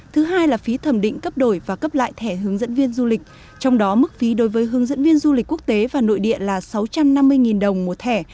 thứ hai là phí thẩm định cấp đổi và cấp lại thẻ hướng dẫn viên du lịch trong đó mức phí đối với hướng dẫn viên du lịch quốc tế và nội địa là sáu trăm năm mươi đồng một thẻ